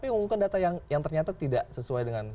mengumumkan data yang ternyata tidak sesuai dengan